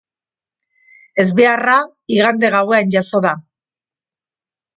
Ezbeharra igande gauean jazo da.